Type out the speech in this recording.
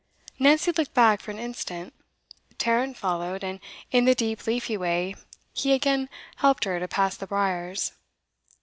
Nancy looked back for an instant. Tarrant followed, and in the deep leafy way he again helped her to pass the briers.